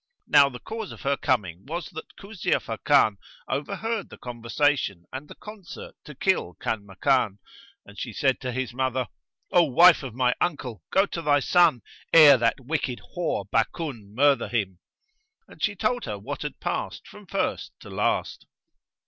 Now the cause of her coming was that Kuzia Fakan overheard the conversation and the concert to kill Kanmakan, and she said to his mother, "O wife of my uncle, go to thy son, ere that wicked whore Bakun murther him;" and she told her what had passed from first to last.